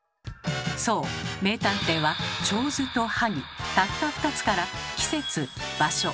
そう名探偵は手水と萩たった２つから季節場所